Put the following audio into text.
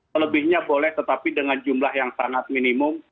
selebihnya boleh tetapi dengan jumlah yang sangat minimum